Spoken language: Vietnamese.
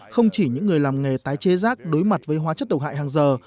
không chỉ những người làm nghề tái chế rác đối mặt với hóa chất độc hại hàng giờ